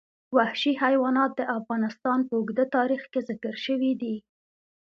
وحشي حیوانات د افغانستان په اوږده تاریخ کې ذکر شوی دی.